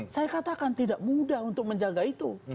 saya katakan tidak mudah untuk menjaga itu